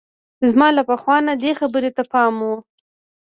زما له پخوا نه دې خبرې ته پام وو.